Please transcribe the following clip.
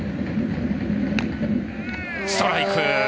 ストライク。